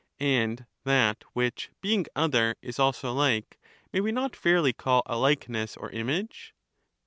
And that which being other is also Hke, may we not fairly call a likeness or image